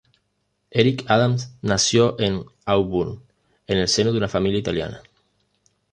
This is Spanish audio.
Eric Adams nació en Auburn, en el seno de una familia italiana.